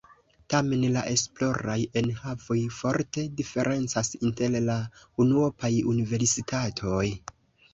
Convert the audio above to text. Tamen la esploraj enhavoj forte diferencas inter la unuopaj universitatoj.